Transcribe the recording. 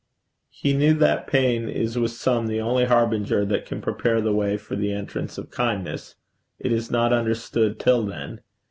He knew that pain is with some the only harbinger that can prepare the way for the entrance of kindness: it is not understood till then.